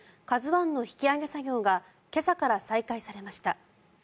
「ＫＡＺＵ１」の引き揚げ作業が今朝から再開されました。